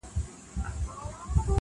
• انتظار به د سهار کوو تر کومه,